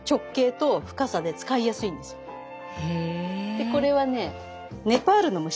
でこれはね